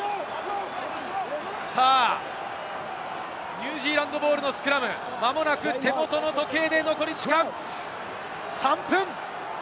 ニュージーランドボールのスクラム、間もなく手元の時計で残り時間３分。